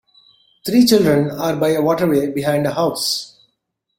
Three children are by a waterway behind a house.